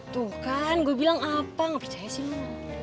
tuh kan gue bilang apa gak percaya sih lu